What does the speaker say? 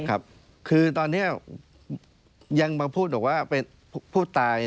ครับคือตอนนี้ยังมาพูดบอกว่าเป็นผู้ตาย